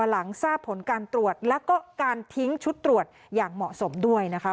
หลังทราบผลการตรวจแล้วก็การทิ้งชุดตรวจอย่างเหมาะสมด้วยนะคะ